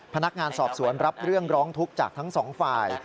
พนักงานสอบสวนรับเรื่องร้องทุกข์จากทั้งสองฝ่าย